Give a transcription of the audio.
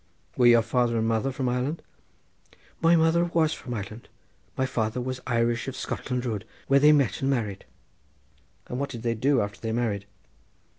"Were your father and mother from Ireland?" "My mother was from Ireland; my father was Irish of Scotland Road, where they met and married." "And what did they do after they married?"